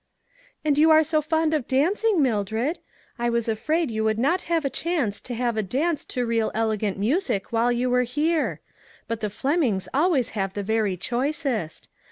" And you are so fond of dancing, Mil dred. I was afraid you would not have a chance to have a dance to real elegant music while you were here ; but the Flem ings always have the very choicest.